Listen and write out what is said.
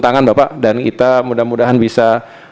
tangan bapak dan kita mudah mudahan bisa